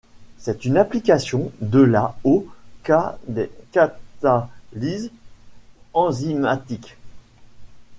C'est une application de la au cas des catalyses enzymatiques.